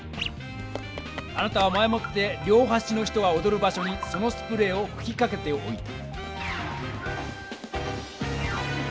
あなたは前もって両はしの人がおどる場所にそのスプレーをふきかけておいた。